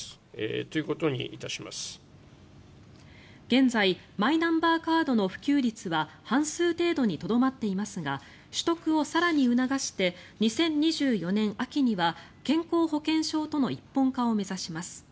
現在マイナンバーカードの普及率は半数程度にとどまっていますが取得を更に促して２０２４年秋には健康保険証との一本化を目指します。